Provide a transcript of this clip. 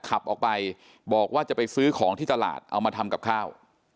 ขับออกไปบอกว่าจะไปซื้อของที่ตลาดเอามาทำกับข้าว